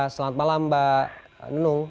selamat malam mbak nunung